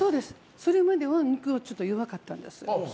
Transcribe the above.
それまでは肉はちょっと弱かったんです。